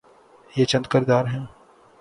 یہ چند کردار ہیں۔